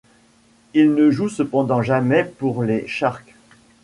Il ne joue cependant jamais pour les Sharks.